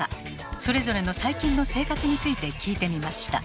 それぞれの最近の生活について聞いてみました。